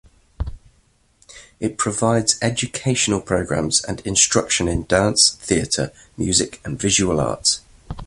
It provides educational programs and instruction in dance, theatre, music and visual arts.